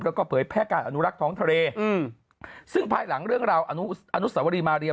แล้วก็เผยแพร่การอนุรักษ์ท้องทะเลอืมซึ่งภายหลังเรื่องราวอนุอนุสวรีมาเรีย